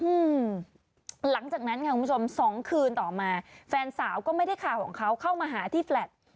หลังจากนั้นค่ะคุณผู้ชมสองคืนต่อมาแฟนสาวก็ไม่ได้ข่าวของเขาเข้ามาหาที่แลต